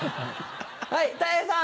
はいたい平さん。